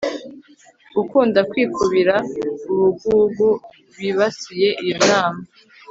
gukunda kwikubira, ubugugu bibasiye iyo nama